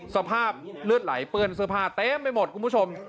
สภาพเลือดไหลเปื้อนเสื้อผ้าเต็มไปหมดคุณผู้ชม